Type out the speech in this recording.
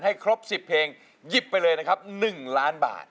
ครบ๑๐เพลงหยิบไปเลยนะครับ๑ล้านบาท